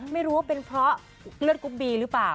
ไม่รู้ว่าเป็นเพราะเลือดกรุ๊ปบีหรือเปล่า